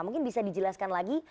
mungkin bisa dijelaskan lagi